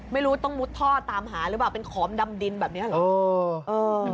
ไม่รู้ต้องมุดท่อตามหาหรือเปล่าเป็นขอมดำดินแบบนี้เหรอ